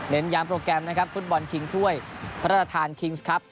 ย้ำโปรแกรมนะครับฟุตบอลชิงถ้วยพระราชทานคิงส์ครับ